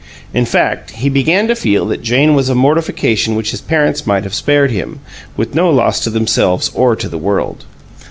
In fact, he began to feel that Jane was a mortification which his parents might have spared him, with no loss to themselves or to the world.